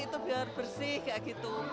itu biar bersih kayak gitu